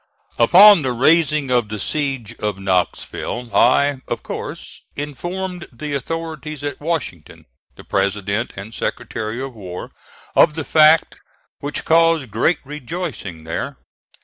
Upon the raising of the siege of Knoxville I, of course, informed the authorities at Washington the President and Secretary of War of the fact, which caused great rejoicing there.